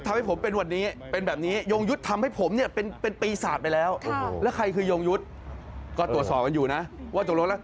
ไม่มีสิทธิ์จะไปทำอย่างนี้กับใคร